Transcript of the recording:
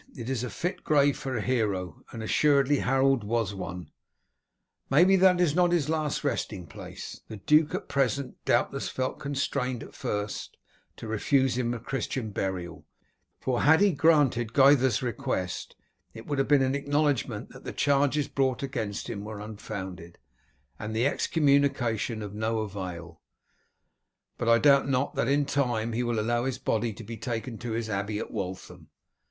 "It is a fit grave for a hero, and assuredly Harold was one. Maybe that it is not his last resting place. The duke at present doubtless felt constrained at first to refuse him Christian burial, for had he granted Gytha's request, it would have been an acknowledgment that the charges brought against him were unfounded, and the excommunication of no avail; but I doubt not that in time he will allow his body to be taken to his abbey at Waltham.